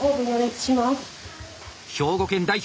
兵庫県代表